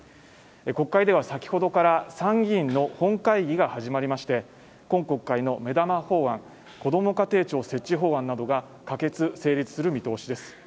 国会では先ほどから参議院の本会議が始まりまして今国会の目玉法案こども家庭庁設置法案などが可決成立する見通しです